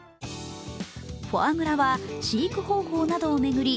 フォアグラは飼育方法などを巡り